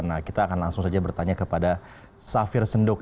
nah kita akan langsung saja bertanya kepada safir senduk